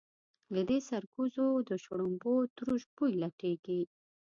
له دې سرکوزو د شړومبو تروش بوی لټېږي.